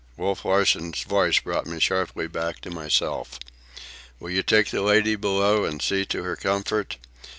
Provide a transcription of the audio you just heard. Wolf Larsen's voice brought me sharply back to myself. "Will you take the lady below and see to her comfort?